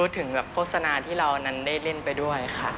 ถึงแบบโฆษณาที่เรานั้นได้เล่นไปด้วยค่ะ